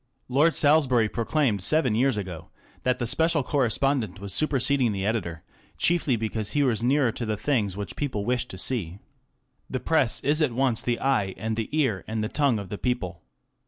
Lord Salisbury proclaimed seven years ago that the special correspondent was super seding the editor, chiefly because he was nearer to the things which people wished to see. The Press is at once the eye and the ear and the tongue of the people.